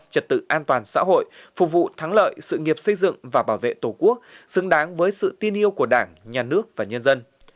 trật tự an toàn xã hội phục vụ thắng lợi sự nghiệp xây dựng và bảo vệ tổ quốc xứng đáng với sự tin yêu của đảng nhà nước và nhân dân